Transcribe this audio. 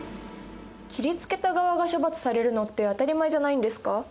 斬りつけた側が処罰されるのって当たり前じゃないんですか？